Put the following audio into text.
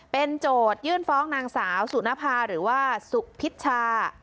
เป็นโจทยื่นฟ้องนางสาวสุนภาหรือว่าสุพิชชา